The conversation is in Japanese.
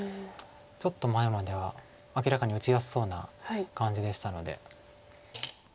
ちょっと前までは明らかに打ちやすそうな感じでしたので。